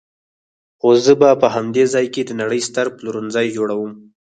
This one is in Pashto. خو زه به په همدې ځای کې د نړۍ ستر پلورنځی جوړوم.